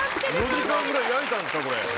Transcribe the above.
４時間ぐらい焼いたんですか？